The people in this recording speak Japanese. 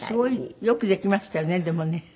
よくできましたよねでもね。